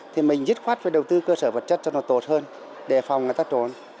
thì mình dứt khoát phải đầu tư cơ sở vật chất cho nó tốt hơn để phòng người ta trốn